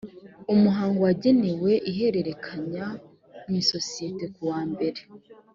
umuhango wagenewe ihererekanya mu isosiyete ku wa mbere